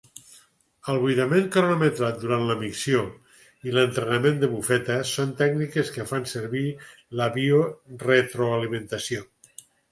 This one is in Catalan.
El buidament cronometrat durant la micció i l'entrenament de bufeta són tècniques que fan servir la bioretroalimentació.